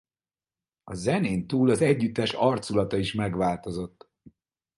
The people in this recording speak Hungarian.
A zenén túl az együttes arculata is megváltozott.